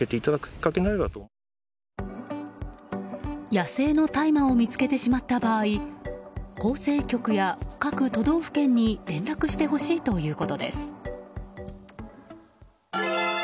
野生の大麻を見つけてしまった場合厚生局や各都道府県に連絡してほしいということです。